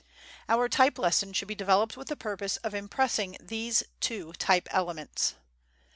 Our type lesson should be developed with the purpose of impressing these two type elements.